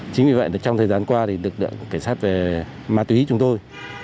chính vì vậy trong thời gian qua thì lực lượng cảnh sát về ma túy chúng tôi